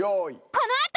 このあと。